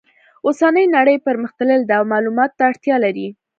اوسنۍ نړۍ پرمختللې ده او معلوماتو ته اړتیا لري